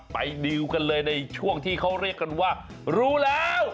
ดิวกันเลยในช่วงที่เขาเรียกกันว่ารู้แล้ว